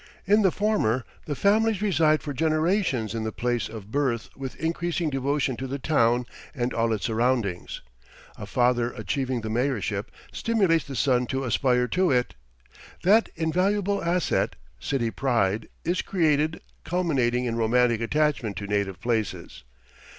In the former the families reside for generations in the place of birth with increasing devotion to the town and all its surroundings. A father achieving the mayorship stimulates the son to aspire to it. That invaluable asset, city pride, is created, culminating in romantic attachment to native places.